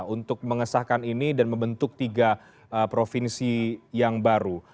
untuk mengesahkan ini dan membentuk tiga provinsi yang baru